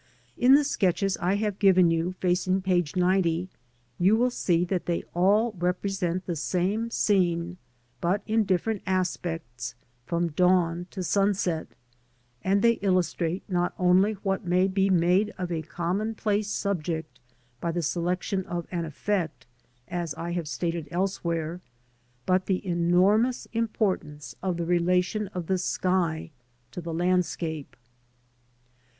In the sketches I have given you facing page 90, you will see that they all represent the same scene, but in different aspects, from dawn to sunset, and they illustrate not only what may be made of a common place subject by the selection of an effect, as I have stated else where, but the enormous importance of the relation of the sky to the landscape.